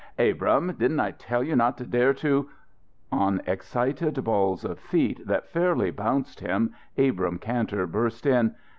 "Abrahm, didn't I tell you not to dare to " On excited balls of feet that fairly bounced him, Abrahm Kantor burst in.